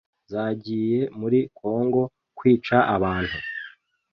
zagiye muri Congo kwica abantu